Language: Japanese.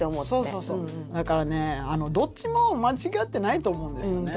だからねあのどっちも間違ってないと思うんですよね。